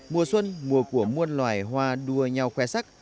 mùa xuân mùa của muôn loài hoa đua nhau khoe sắc